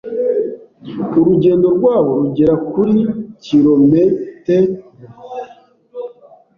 Urugendo rwabo rugera kuri kilometer